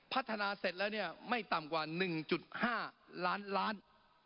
พัฒนาเสร็จแล้วเนี่ยไม่ต่ำกว่า๑๕ล้านล้าน